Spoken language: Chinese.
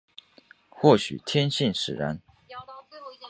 或许天性使然